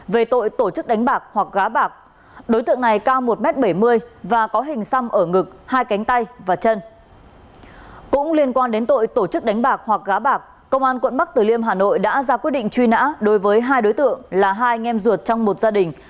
vì tội tổ chức đánh bạc hoặc gá bạc công an quận bắc tử liêm hà nội đã ra quyết định truy nã đối với hai đối tượng là hai anh em ruột trong một gia đình